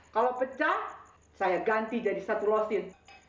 kalau pecah saya ganti jadi satu losin